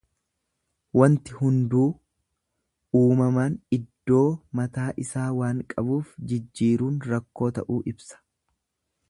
Wanti hunduu uumamaan iddoo mataa isaa waan qabuuf jijjiiruun rakkoo ta'uu ibsa.